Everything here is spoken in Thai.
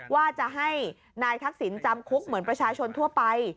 ว่าจะให้นายทักษิณจำคุกเหมือนประชาชนทั่วไป